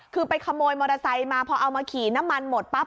คือไปขโมยมอเตอร์ไซค์มาพอเอามาขี่น้ำมันหมดปั๊บ